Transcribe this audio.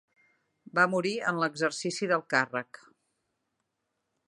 Va morir en l'exercici del càrrec.